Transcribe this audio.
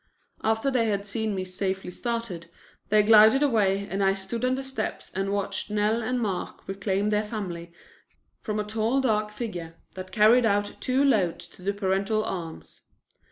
After they had seen me safely started, they glided away and I stood on the steps and watched Nell and Mark reclaim their family from a tall dark figure that carried out two loads to the parental arms.